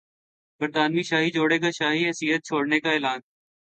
برطانوی شاہی جوڑے کا شاہی حیثیت چھوڑنے کا اعلان